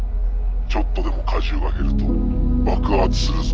ちょっとでも荷重が減ると爆発するぞ。